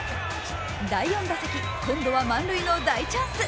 第４打席、今度は満塁の大チャンス。